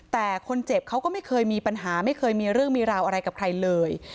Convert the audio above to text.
แต่คนเจ็บเขาก็ไม่เคยมีปัญหาไม่เคยมีเรื่องมีราวอะไรกับใครเลย